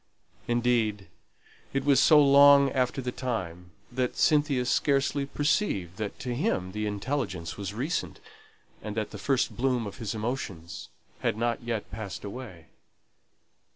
Indeed, it was so long after the time, that Cynthia scarcely perceived that to him the intelligence was recent, and that the first bloom of his emotions had not yet passed away.